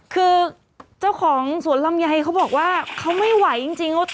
คือเจ้าของสวนลำไยเขาบอกว่าเขาไม่ไหวจริงว่า